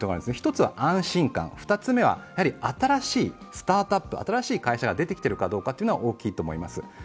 １つは安心感、２つ目は新しいスタートアップ、新しい会社が出てきているかどうかが大きいと思います。